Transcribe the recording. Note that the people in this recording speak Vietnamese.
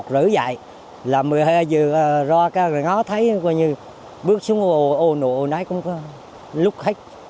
một mươi một rửa dạy là vừa ra cái ngó thấy như bước xuống ô nụ ô náy cũng có lúc khách